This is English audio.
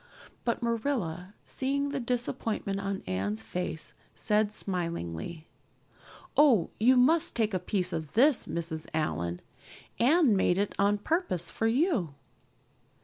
But Marilla, seeing the disappointment on Anne's face, said smilingly: "Oh, you must take a piece of this, Mrs. Allan. Anne made it on purpose for you."